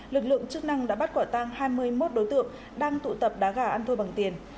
lực lượng chức năng đã bắt quả tang hai mươi một đối tượng đang tụ tập đá gà ăn thua bằng tiền